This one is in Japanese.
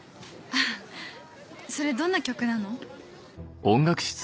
あそれどんな曲なの？